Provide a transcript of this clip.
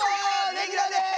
レギュラーです！